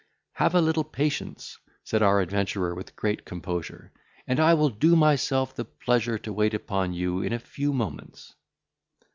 "Have a little patience," said our adventurer with great composure, "and I will do myself the pleasure to wait upon you in a few moments."